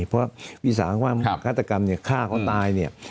เพราะวิสาความฆาตกรรมเนี่ยฆ่าเขาตายเนี่ย